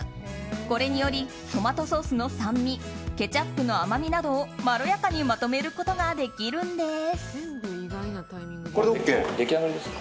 これにより、トマトソースの酸味ケチャップの甘みなどをまろやかにまとめることができるんです。